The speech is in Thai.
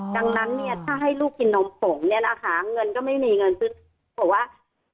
ดังนั้นเนี่ยถ้าให้ลูกกินนมผงเนี่ยนะคะเงินก็ไม่มีเงินซื้อบอกว่า